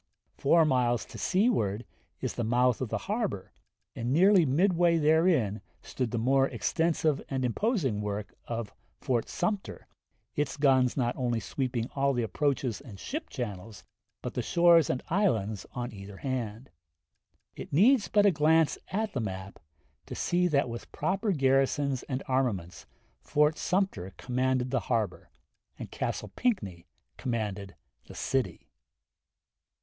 Four miles to seaward is the mouth of the harbor, and nearly midway therein stood the more extensive and imposing work of Fort Sumter, its guns not only sweeping all the approaches and ship channels, but the shores and islands on either hand. It needs but a glance at the map to see that with proper garrisons and armaments Fort Sumter commanded the harbor. and Castle Pinckney commanded the city.